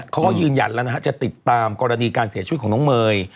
เขาก็ยืนยันแล้วนะฮะจะติดตามกรณีการเสียชีวิตของน้องเมย์